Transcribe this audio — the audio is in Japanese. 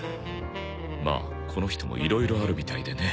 まあこの人もいろいろあるみたいでね。